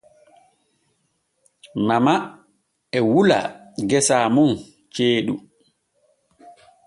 Mama e wula gese mun ceeɗu.